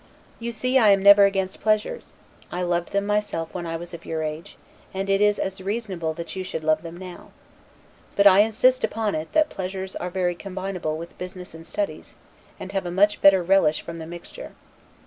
You see I am never against pleasures; I loved them myself when I was of your age, and it is as reasonable that you should love them now. But I insist upon it that pleasures are very combinable with both business and studies, and have a much better relish from the mixture.